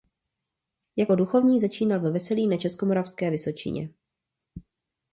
Jako duchovní začínal ve Veselí na Českomoravské vysočině.